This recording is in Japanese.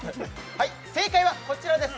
はい正解はこちらです